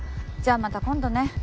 じゃあまた今度ね。